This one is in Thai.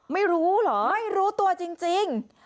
ไม่รู้เหรอไม่รู้ตัวจริง